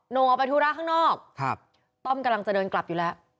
งออกไปธุระข้างนอกต้อมกำลังจะเดินกลับอยู่แล้ว